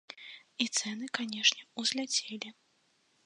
І цэны, канешне, узляцелі.